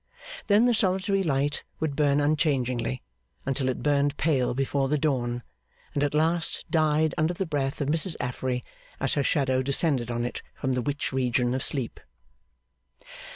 Then the solitary light would burn unchangingly, until it burned pale before the dawn, and at last died under the breath of Mrs Affery, as her shadow descended on it from the witch region of sleep.